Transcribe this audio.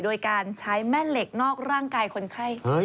โดยการใช้แม่เหล็กนอกร่างกายคนไข้